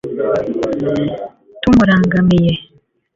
tumurangamiye